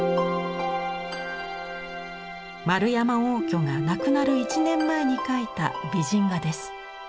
円山応挙が亡くなる１年前に描いた美人画です。